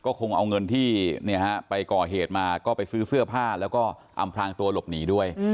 คงเอาเงินที่ไปก่อเหตุมาก็ไปซื้อเสื้อผ้าแล้วก็อำพลางตัวหลบหนีด้วย